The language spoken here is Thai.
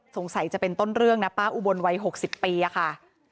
สงสัยจะเป็นต้นเรื่องนะป้าอุบลวัย๖๐ปีอะค่ะ